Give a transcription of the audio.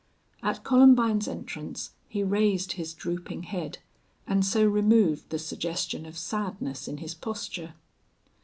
At Columbine's entrance he raised his drooping head, and so removed the suggestion of sadness in his posture.